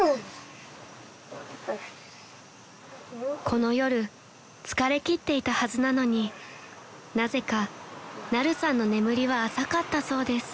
［この夜疲れきっていたはずなのになぜかナルさんの眠りは浅かったそうです］